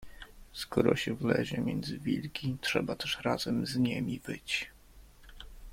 "Skoro się wlezie między wilki, trzeba też razem z niemi wyć."